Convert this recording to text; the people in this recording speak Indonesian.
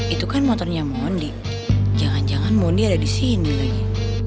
itu kan motornya mondi jangan jangan mony ada di sini lagi